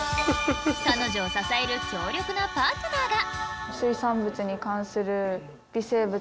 彼女を支える強力なパートナーが。